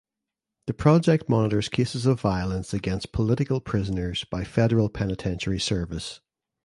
The project monitors cases of violence against political prisoners by Federal Penitentiary Service.